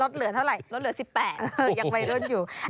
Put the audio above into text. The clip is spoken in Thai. ลดเหลือเท่าไหร่ลดเหลือ๑๘อยากไปลดอยู่